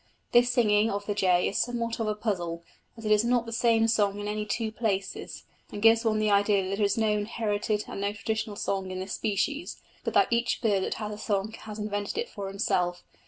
This singing of the jay is somewhat of a puzzle, as it is not the same song in any two places, and gives one the idea that there is no inherited and no traditional song in this species, but that each bird that has a song has invented it for himself.